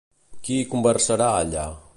Qui hi conversarà, allà?